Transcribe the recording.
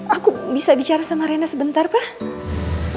aku bisa bicara sama rena sebentar pak